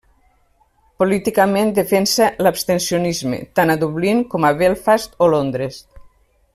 Políticament defensa l'abstencionisme tant a Dublín com a Belfast o Londres.